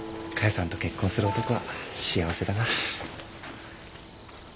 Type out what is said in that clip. さんと結婚する男は幸せだな。